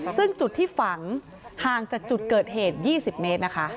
ซึ่งจุดที่ฝังห่างจากจุดเกิดเหตุ๒๐เมตรนะคะ